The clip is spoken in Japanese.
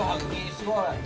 すごい！